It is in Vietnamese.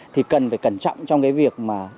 thì cần phải cẩn trọng trong việc